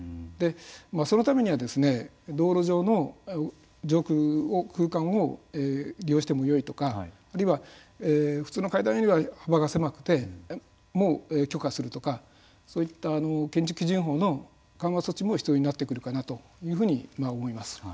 そのためには道路上の上空を利用してもよいとかあるいは、普通の階段よりは幅が狭くても許可するとかそういった建築基準法の緩和措置も必要になってくるかなというふうに思います。